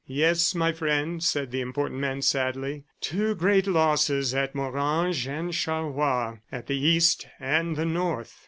"Yes, my friend," said the important man sadly. "Two great losses at Morhange and Charleroi, at the East and the North.